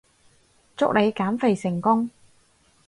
祝你減肥成功